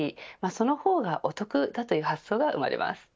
その方がお得だという発想が生まれます。